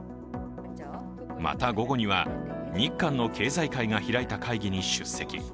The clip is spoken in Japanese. また、午後には日韓の経済界が開いた会議に出席。